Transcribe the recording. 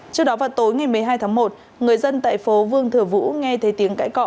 trước đó vào tối ngày một mươi hai tháng một người dân tại phố vương thừa vũ nghe thấy tiếng cãi cọ